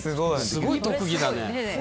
すごい特技だね。